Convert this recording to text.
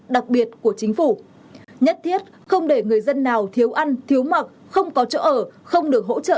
đặc biệt của chính phủ nhất thiết không để người dân nào thiếu ăn thiếu mặc không có chỗ ở không được hỗ trợ